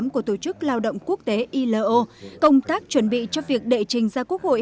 của tổ chức lao động quốc tế ilo công tác chuẩn bị cho việc đệ trình ra quốc hội